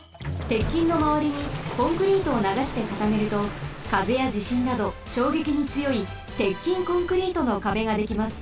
鉄筋のまわりにコンクリートをながしてかためるとかぜやじしんなどしょうげきにつよい鉄筋コンクリートの壁ができます。